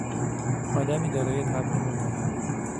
آدمی دارای طبع ملایم